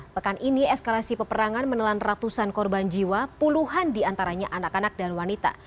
pekan ini eskalasi peperangan menelan ratusan korban jiwa puluhan diantaranya anak anak dan wanita